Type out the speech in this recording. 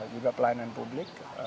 juga pelayanan publik